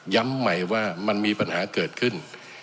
ใหม่ว่ามันมีปัญหาเกิดขึ้น